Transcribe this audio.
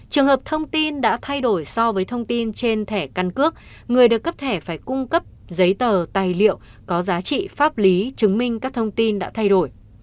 trường hợp thông tin đã thay đổi so với thông tin trên thẻ căn cước người được cấp thẻ phải cung cấp giấy tờ tài liệu có giá trị pháp lý chứng minh các thông tin đã thay đổi